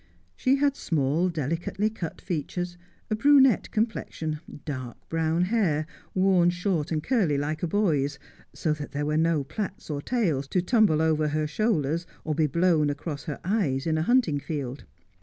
She had small, delicately cut features, a brunette com plexion, dark brown hair, worn short and curly like a boy's, so that there were no plaits or tails to tumble over her shoulders or be blown across her eyes in the hunting field.